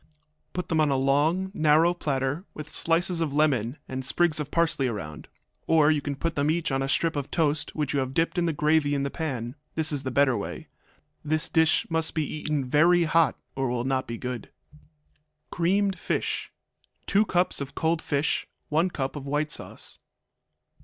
Put them on a long, narrow platter, with slices of lemon and sprigs of parsley around. Or you can put each one on a strip of toast which you have dipped in the gravy in the pan; this is the better way. This dish must be eaten very hot, or it will not be good. Creamed Fish 2 cups of cold fish. 1 cup of white sauce.